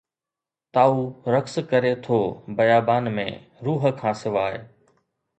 تائو رقص ڪري ٿو بيابان ۾، روح کان سواءِ